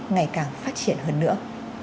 ngày càng phát triển hơn nữa